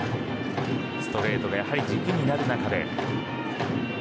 ストレートでやはり軸になる中で。